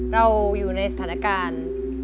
เราอยู่ในสถานการณ์